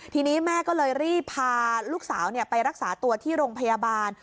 ทีนี้แม่ก็เลยรีบพาลูกสาวไปรักษาตัวที่โรงพยาบาล